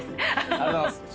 ありがとうございます。